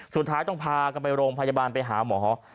สุดท้ายต้องพากันไปโรงพยาบาลไปหาหมอ